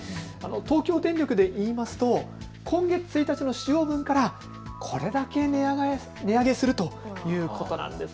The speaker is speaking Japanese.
東京電力でいいますと今月１日の使用分からこれだけ値上げするということなんです。